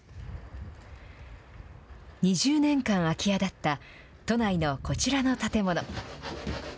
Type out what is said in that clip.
２０年間空き家だった、都内のこちらの建物。